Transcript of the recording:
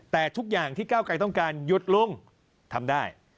แต่ทุกอย่างที่เก้าไกรต้องการหยุดลงทำได้